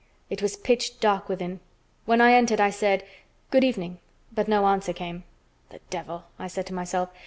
It was pitch dark within. When I entered I said, "Good evening," but no answer came. "The devil!" I said to myself.